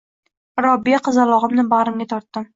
Robiya, qizalog`imni bag`rimga tortdim